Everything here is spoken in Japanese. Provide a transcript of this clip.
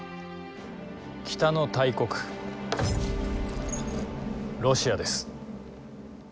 北の大国ロシアです。